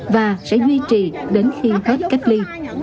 và sẽ duy trì đến khi hết cách ly